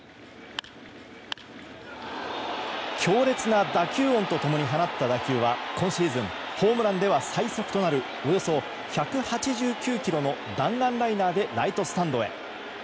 強烈な打球音と共に放った打球は今シーズンホームランでは最速となるおよそ１８９キロの弾丸ライナーでライトスタンドへ。